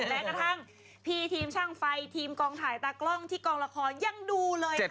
แม้กระทั่งพี่ทีมช่างไฟทีมกองถ่ายตากล้องที่กองละครยังดูเลยค่ะ